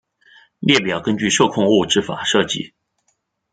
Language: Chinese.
列表根据受控物质法设计。